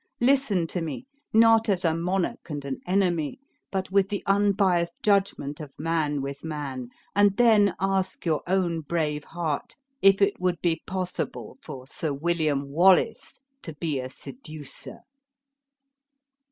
Listen to me, not as a monarch and an enemy, but with the unbiased judgment of man with man; and then ask your own brave heart if it would be possible for Sir William Wallace to be a seducer."